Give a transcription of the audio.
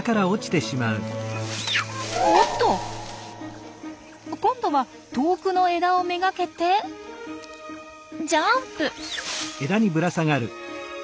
おっと！今度は遠くの枝を目がけてジャンプ！